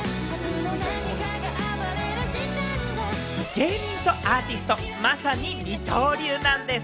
芸人とアーティスト、まさに二刀流なんです。